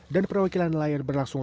dan perwakilan nelayan berlangsung